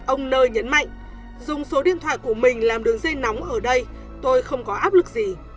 ông nar nhấn mạnh dùng số điện thoại của mình làm đường dây nóng ở đây tôi không có áp lực gì